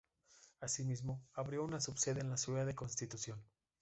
Asimismo, abrió una subsede en la ciudad de Constitución.